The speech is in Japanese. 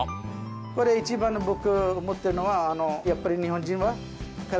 これ一番の僕思ってるのはやっぱり。